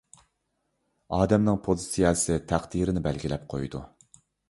ئادەمنىڭ پوزىتسىيەسى تەقدىرىنى بەلگىلەپ قويىدۇ.